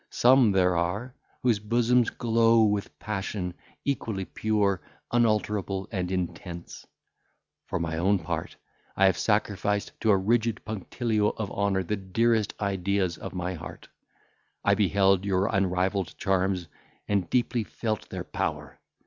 Some there are, whose bosoms glow with passion equally pure, unalterable, and intense. For my own part, I have sacrificed to a rigid punctilio of honour the dearest ideas of my heart. I beheld your unrivalled charms, and deeply felt their power.